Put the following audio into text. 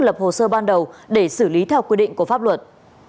lập hồ sơ ban đầu để xử lý theo quy định của pháp luật